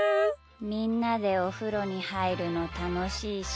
みんなでおふろにはいるのたのしいし。